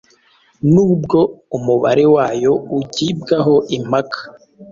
n'ubwo umubare wayo ugibwaho impaka